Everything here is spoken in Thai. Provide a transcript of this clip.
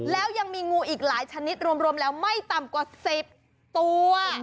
แล้วยังมีงูอีกหลายชนิดรวมแล้วไม่ต่ำกว่า๑๐ตัว